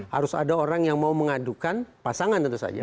harus ada orang yang mau mengadukan pasangan tentu saja